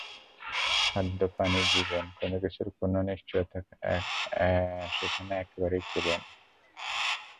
খাদ্য, পানি, জীবন—কোনো কিছুর কোনো রকম নিশ্চয়তা সেখানে একেবারেই ছিল না।